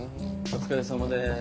お疲れさまです。